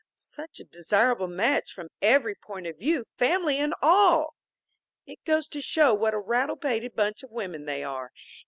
Such a desirable match from every point of view, family and all! It goes to show what a rattle pated bunch of women they are!